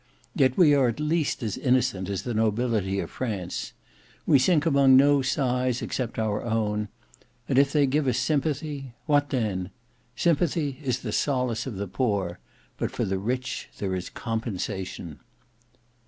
Yet we are at least as innocent as the nobility of France. We sink among no sighs except our own. And if they give us sympathy—what then? Sympathy is the solace of the Poor; but for the Rich, there is Compensation."